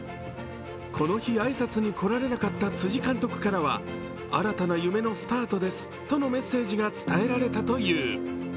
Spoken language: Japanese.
この日、挨拶に来られなかった辻監督からは、新たな夢のスタートですとのメッセージが伝えられたという。